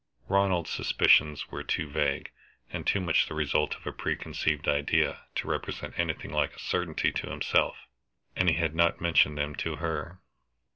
Ronald's suspicions were too vague, and too much the result of a preconceived idea, to represent anything like a certainty to himself, and he had not mentioned them to her.